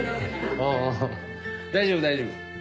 おお大丈夫大丈夫。